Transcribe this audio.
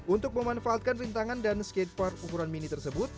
untuk memanfaatkan rintangan dan skatepark ukuran mini tersebut